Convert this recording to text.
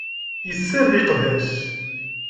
Yessared iqbac.